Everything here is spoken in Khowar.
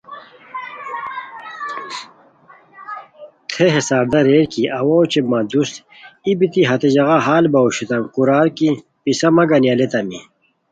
تھے ہے ساردہ ریر کی اوا اوچے مہ دوست ای بیتی ہتے ژاغا حل باؤ اوشوتام کورار کی پیسہ مہ گنی الیتامی